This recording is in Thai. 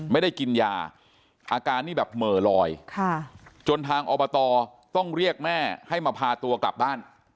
ไม่ได้กินยาอาการนี่แบบเหม่อลอยจนทางอบตต้องเรียกแม่ให้มาพาตัวกลับบ้าน